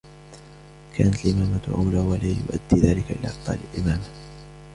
كَانَتْ الْإِمَامَةُ أَوْلَى وَلَا يُؤَدِّي ذَلِكَ إلَى إبْطَالِ الْإِمَامَةِ